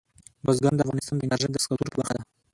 بزګان د افغانستان د انرژۍ د سکتور برخه ده.